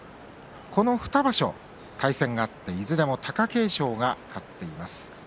この２場所、対戦があっていずれも貴景勝が勝っています。